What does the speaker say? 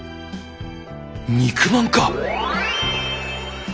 肉まんか！